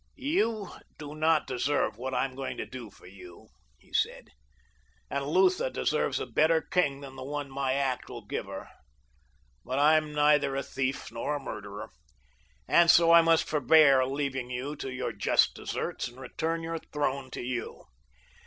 "You do not deserve what I am going to do for you," he said. "And Lutha deserves a better king than the one my act will give her; but I am neither a thief nor a murderer, and so I must forbear leaving you to your just deserts and return your throne to you.